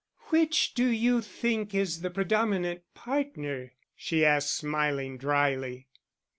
"Which do you think is the predominant partner?" she asked, smiling drily.